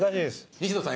西野さん